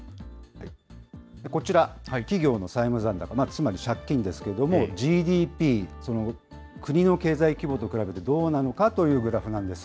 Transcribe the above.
こちら、企業の債務残高、つまり借金ですけれども、ＧＤＰ、つまり国の経済規模と比べてどうなのかというグラフなんです。